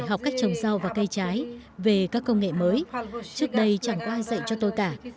học cách trồng rau và cây trái về các công nghệ mới trước đây chẳng có ai dạy cho tôi cả